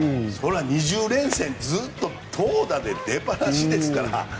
２０連戦ずっと投打で出っ放しですから。